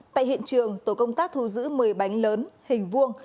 tại hiện trường tổ công tác thu giữ một mươi bánh lớn hình vuông